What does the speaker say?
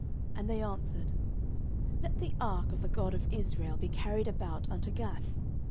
And they answered, Let the ark of the God of Israel be carried about unto Gath.